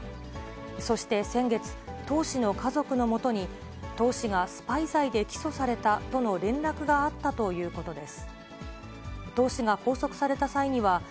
そして先月、董氏の家族の元に、董氏がスパイ罪で起訴されたとの連絡があったということです。